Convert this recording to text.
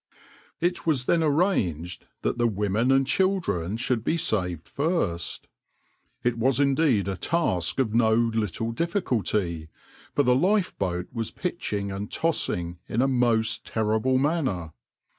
\par It was then arranged that the women and children should be saved first. It was indeed a task of no little difficulty, for the lifeboat was pitching and tossing in a most terrible manner.